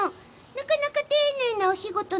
なかなか丁寧なお仕事なの。